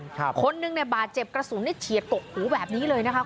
ใช่คนนึงในบาดเจ็บกระสุนได้เฉียดกกหูแบบนี้เลยนะคะคุณ